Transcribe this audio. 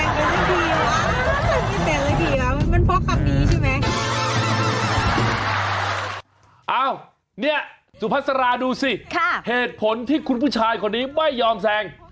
เนี่ยสุภาษาราดูสิเหตุผลที่คุณผู้ชายคนนี้ไม่ยอมแซง